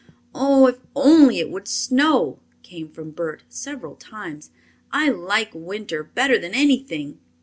"Oh, if only it would snow!" came from Bert, several times. "I like winter better than anything."